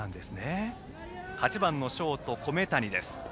８番のショート、米谷。